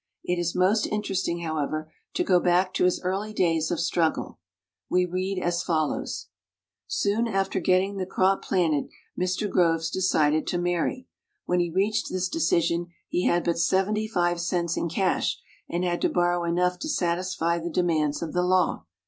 It is most interesting, however, to go back to his early days of struggle. We read as follows: "Soon after getting the crop planted Mr. Groves decided to marry. When he reached this decision he had but seventy five cents in cash, and had to borrow enough to satisfy the demands of the law.